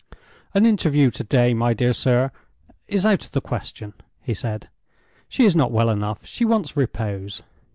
"An interview to day, my dear sir, is out of the question," he said. "She is not well enough; she wants repose.